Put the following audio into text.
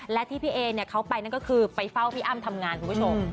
และที่พี่เอเนี่ยเขาไปนั่นก็คือไปเฝ้าพี่อ้ำทำงานคุณผู้ชม